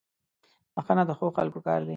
• بښنه د ښو خلکو کار دی.